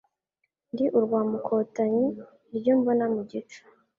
Ndi urwa Mukotanyi iryo mbona mugico